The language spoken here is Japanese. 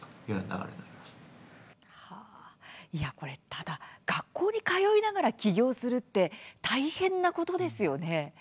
ただ学校に通いながら起業するって大変なことですよね。